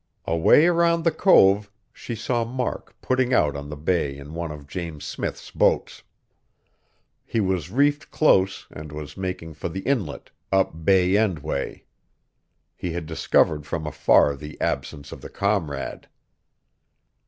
Away around the cove, she saw Mark putting out on the bay in one of James Smith's boats. He was reefed close and was making for the inlet, up Bay End way. He had discovered from afar the absence of the Comrade.